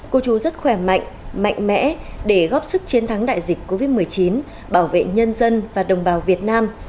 cô chú rất khỏe mạnh mẽ để góp sức chiến thắng đại dịch covid một mươi chín bảo vệ nhân dân và đồng bào việt nam